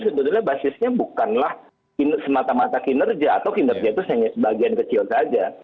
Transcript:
sebetulnya basisnya bukanlah semata mata kinerja atau kinerja itu sebagian kecil saja